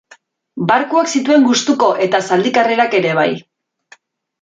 Barkuak zituen gustuko eta zaldi karrerak ere bai.